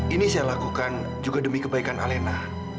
ini saya lakukan juga demi kebaikan alena